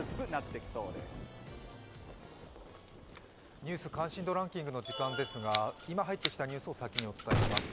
「ニュース関心度ランキング」の時間ですが今入ってきたニュースを先にお伝えします。